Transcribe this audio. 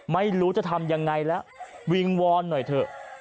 ไม่รู้จะทำยังไงแล้ววิงวอนหน่อยเถอะ